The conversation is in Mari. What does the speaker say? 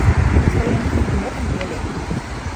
Тыйын туныктыметым веле.